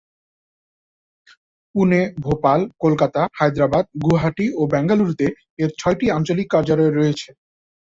পুনে, ভোপাল, কলকাতা, হায়দ্রাবাদ, গুয়াহাটি ও বেঙ্গালুরুতে এর ছয়টি আঞ্চলিক কার্যালয় রয়েছে।